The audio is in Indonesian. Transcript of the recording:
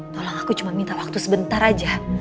tolong aku cuma minta waktu sebentar aja